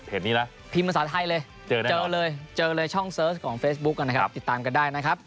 พิมพ์ภาษาไทยเลยเจอเลยช่องเสิร์ชของเฟซบุ๊กก่อนนะครับติดตามกันได้นะครับ